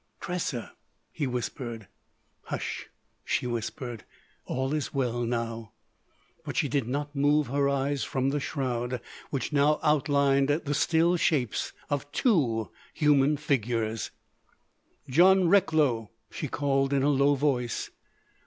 "Tressa," he whispered. "Hush," she whispered, "all is well now." But she did not move her eyes from the shroud, which now outlined the still shapes of two human figures. "John Recklow!" she called in a low voice.